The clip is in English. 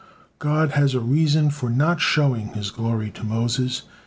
God has a reason for not showing His glory to Moses.